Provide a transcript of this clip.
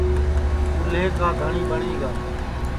چُولے کا دھٹؔی ٻٹؔی گا